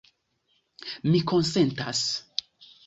Mi konsentas.